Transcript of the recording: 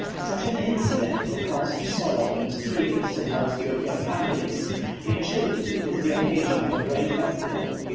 Such an incident is a cause of sorrow and tears in most European families; in Chili it is the occasion of a great festival.